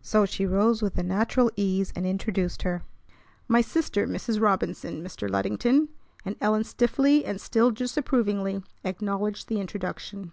So she rose with a natural ease, and introduced her. "My sister Mrs. Robinson, Mr. Luddington"; and Ellen stiffly and still disapprovingly acknowledged the introduction.